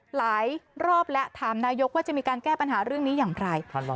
หลายรอบและถามนายกว่าจะมีการแก้ปัญหาเรื่องนี้อย่างไร